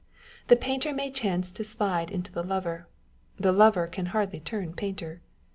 The painter may chance to slide into the lover â€" the lover can hardly turn painter.